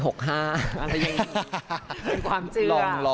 เป็นความเจือ